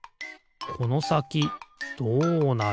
このさきどうなる？